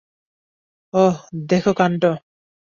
ওহ, দেখো কান্ড।